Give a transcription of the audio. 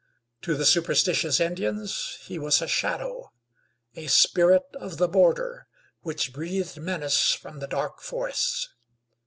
To the superstitious Indians he was a shadow; a spirit of the border, which breathed menace from the dark forests.